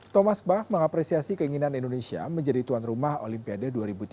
thomas bak mengapresiasi keinginan indonesia menjadi tuan rumah olimpiade dua ribu tiga puluh